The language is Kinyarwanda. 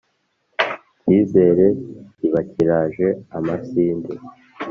cyizere kiba kiraje amasinde !